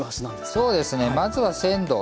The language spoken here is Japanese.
そうですねまずは鮮度。